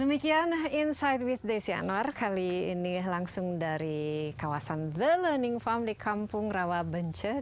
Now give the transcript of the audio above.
demikian insight with desi anwar kali ini langsung dari kawasan the learning farm di kampung rawabenche di kabupaten cianjur